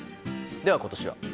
では、今年は。